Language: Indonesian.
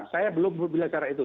saya belum bilang cara itu